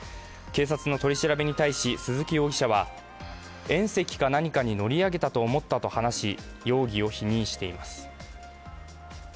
警察の取り調べに対し鈴木容疑者は、縁石か何かに乗り上げたと思ったと話し容疑を否認しています。